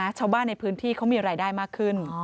ชาวบ้านในพื้นที่เขามีรายได้มากขึ้น